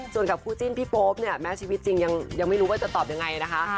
ส่วนกับคู่จิ้นพี่โป๊ปเนี่ยแม้ชีวิตจริงยังไม่รู้ว่าจะตอบยังไงนะคะ